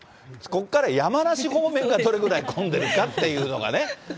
ここから山梨方面がどれぐらい混んでるかっていうのがね。